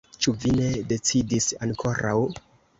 Ĉu vi ne decidis ankoraŭ?